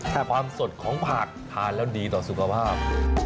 แต่ความสดของผักทานแล้วดีต่อสุขภาพ